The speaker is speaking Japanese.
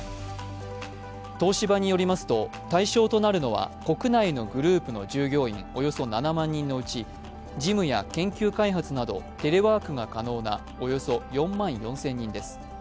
東芝によりますと、対象となるのは国内のグループの従業員、およそ７万人のうち、事務や研究開発など、テレワークが可能なおよそ４万４０００人です。